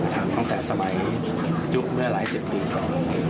ตั้งแต่สมัยยุคเมื่อหลายสิบปีก่อน